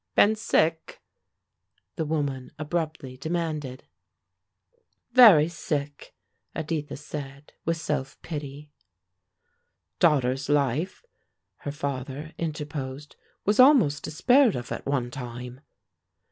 Been sick?" the woman abruptly demanded. "Very sick," Editha said, with self pity. "Daughter's life," her father interposed, "was almost despaired of, at one time."